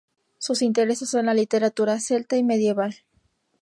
Sus intereses son la literatura celta y medieval.